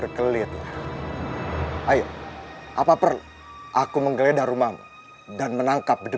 rupanya kamu mencari mati kamandar